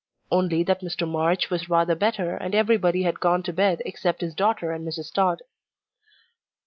"Only that Mr. March was rather better, and everybody had gone to bed except his daughter and Mrs. Tod."